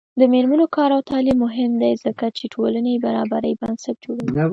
د میرمنو کار او تعلیم مهم دی ځکه چې ټولنې برابرۍ بنسټ جوړوي.